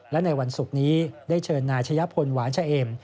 และในวันศุกร์นี้ได้เชิญนายชะยะพลหวานชะเอ็ม